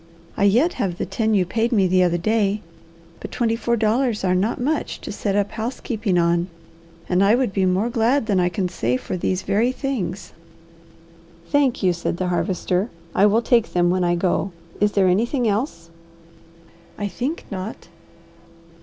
I yet have the ten you paid me the other day, but twenty four dollars are not much to set up housekeeping on, and I would be more glad than I can say for these very things." "Thank you," said the Harvester. "I will take them when I go. Is there anything else?" "I think not."